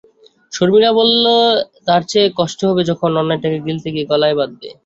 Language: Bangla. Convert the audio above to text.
শর্মিলা বললে, তার চেয়ে কষ্ট হবে যখন অন্যায়টাকে গিলতে গিয়ে গলায় বাধবে।